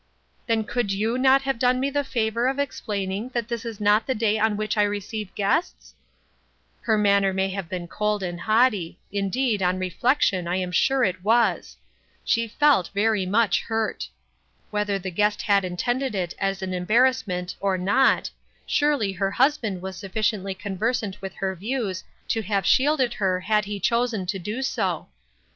" Then could you not have done me the favor of explaining that this is not the day on which I receive guests ?" Her manner may have been cold and haughty ; indeed, on reflection, I am sure it was. She felt very much hurt ; whether the guest had intended it as an embarrassment or not, surely her husband was sufficiently conversant with her views to have shielded her had he chosen to do so.